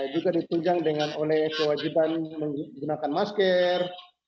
juga ditunjang dengan oleh kewajiban menggunakan masker